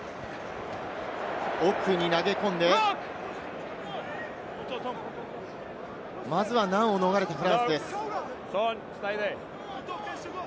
奥に投げ込んで、まずは難を逃れたフランスです。